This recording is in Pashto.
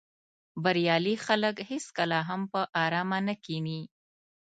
بریالي خلک هېڅکله هم په آرامه نه کیني.